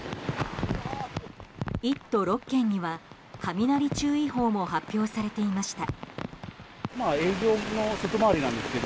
１都６県には雷注意報も発表されていました。